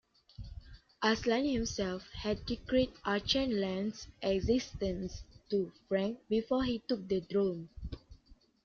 Aslan himself had decreed Archenland's existence to Frank before he took the throne.